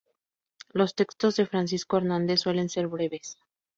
Los textos de Francisco Hernández suelen ser breves.